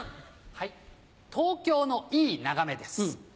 東京のいい眺めです。